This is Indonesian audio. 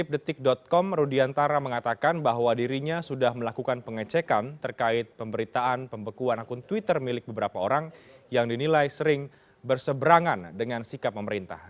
di detik com rudiantara mengatakan bahwa dirinya sudah melakukan pengecekan terkait pemberitaan pembekuan akun twitter milik beberapa orang yang dinilai sering berseberangan dengan sikap pemerintah